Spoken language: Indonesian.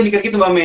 mikir gitu mbak may